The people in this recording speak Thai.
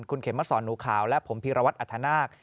คุณเข็มมาสอนหนูขาวและผมพีรวัตรอัธนาค